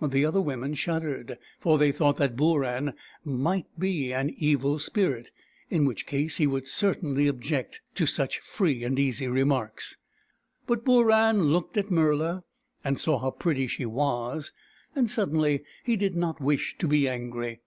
The other women shuddered, for they thought that Booran might be an evil spirit, in which case he would certainly object to 92 BOORAN, THE PELICAN such free and easy remarks. But Booran looked at Murla, and saw how pretty she was, and sud denly he did not wish to be angry.